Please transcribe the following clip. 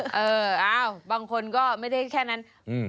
กลิ่มมาเองด้วยแทบที่จะมาเออเอ้าบางคนก็ไม่ได้แค่นั้น